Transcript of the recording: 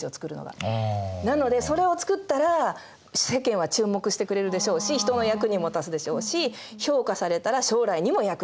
なのでそれを作ったら世間は注目してくれるでしょうし人の役にも立つでしょうし評価されたら将来にも役に立つ。